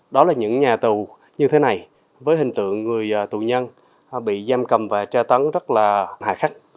đó là những nhà tù như thế này với hình tượng người tù nhân bị giam cầm và tra tấn rất là hài khắc